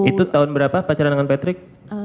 itu tahun berapa pacaran dengan patrick